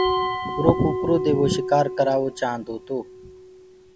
اُرو ڪٚڪَرو دي وو شڪآر ڪروآوو چآهندو تو۔